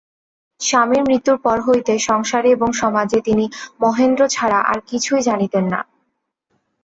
স্বামীর মৃত্যুর পর হইতে সংসারে এবং সমাজে তিনি মহেন্দ্র ছাড়া আর কিছুই জানিতেন না।